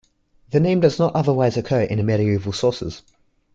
The name does not otherwise occur in the medieval sources.